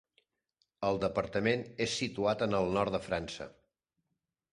El departament és situat en el nord de França.